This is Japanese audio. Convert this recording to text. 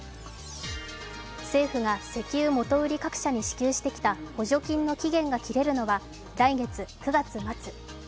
政府が石油元売り各社に支給してきた補助金の期限が切れるのは来月、９月末。